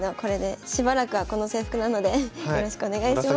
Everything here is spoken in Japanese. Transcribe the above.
しばらくはこの制服なのでよろしくお願いします。